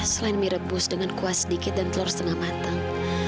selain mie rebus dengan kuah sedikit dan telur setengah matang